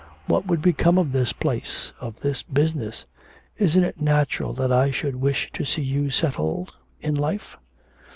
What would become of this place of this business? Isn't it natural that I should wish to see you settled in life?'